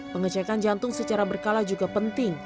pengecekan jantung secara berkala juga penting